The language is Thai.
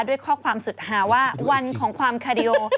ด้วยข้อความซุดหาว่าวอย่างของความคาเดีโย